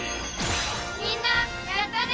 みんなやったね！